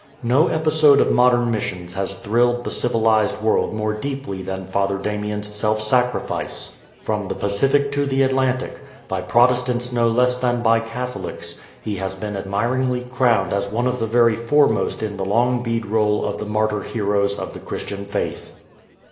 No episode of modern missions has thrilled the civilized world more deeply than Father Damien"'s self sacrifice. From the Pacific to the Atlantic, by Protestants no less than by Catholics, he has been admiringly crowned as one of the very foremost in the long bead roll of the martyr heroes of the Christian faith.